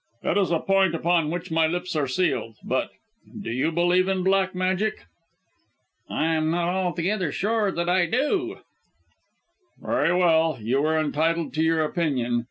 "It is a point upon which my lips are sealed, but do you believe in black magic?" "I am not altogether sure that I do " "Very well; you are entitled to your opinion.